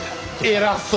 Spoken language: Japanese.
偉そうに！